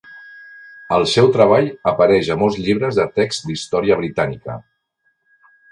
El seu treball apareix a molts llibres de text d"història britànica.